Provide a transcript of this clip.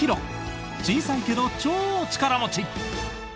小さいけど超力持ち！